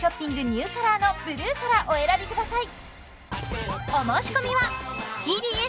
ニューカラーのブルーからお選びください